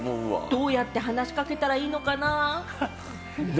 どうやって話しかけたらいいのかな？